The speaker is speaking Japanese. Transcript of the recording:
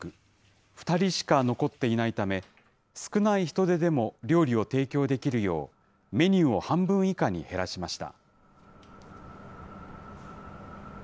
２人しか残っていないため、少ない人手でも料理を提供できるよう、メニューを半分以下に減らしました。